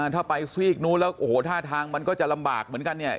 ถ้าไปซีกนู้นแล้วโอ้โหท่าทางมันก็จะลำบากเหมือนกันเนี่ย